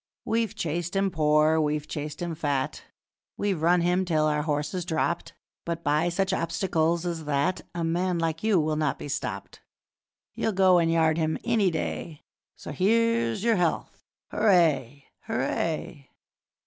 'We've chased him poor, we've chased him fat, We've run him till our horses dropped, But by such obstacles as that A man like you will not be stopped, You'll go and yard him any day, So here's your health! Hooray! Hooray!'